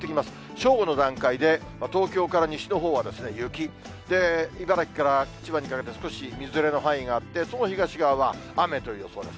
正午の段階で、東京から西のほうは雪、茨城から千葉にかけて、少しみぞれの範囲があって、その東側は雨という予想です。